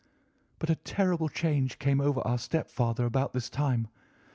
"But a terrible change came over our stepfather about this time.